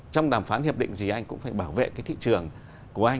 trong đàm phán hiệp định gì anh cũng phải bảo vệ cái thị trường của anh